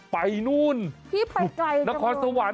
ไปนู่นน้องคอนศะวัน